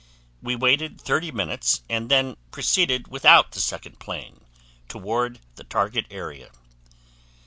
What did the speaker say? We waited 30 minutes and then proceeded without the second plane toward the target area.